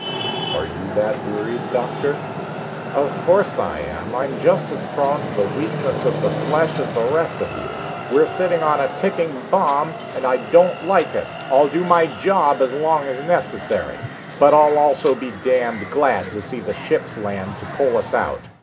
"Are you that worried, Doctor?" "Of course I am! I'm just as prone to the weakness of the flesh as the rest of you. We're sitting on a ticking bomb and I don't like it. I'll do my job as long as it is necessary, but I'll also be damned glad to see the ships land to pull us out.